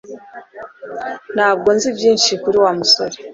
Ntabwo nzi byinshi kuri Wa musore